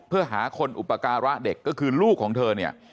เพื่อหาคนอุปการะเด็กก็คือลูกของเธอเนี่ย